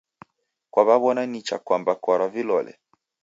Kwaw'aw'ona nicha kwamba kwarwa vilole?